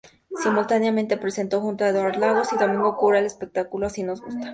Simultáneamente presentó junto a Eduardo Lagos y Domingo Cura el espectáculo "Así nos gusta".